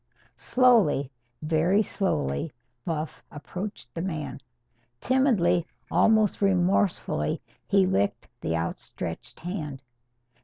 Slowly, very slowly, Buff approached the man. Timidly, almost remorsefully, he licked the outstretched hand.